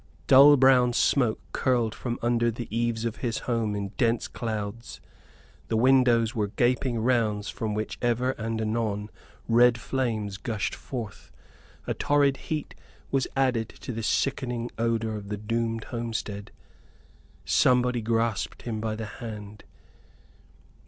Dull brown smoke curled from under the eaves of his home in dense clouds; the windows were gaping rounds from which ever and anon red flames gushed forth; a torrid heat was added to the sickening odor of the doomed homestead. Somebody grasped him by the hand.